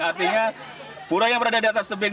artinya pura yang berada di atas tebing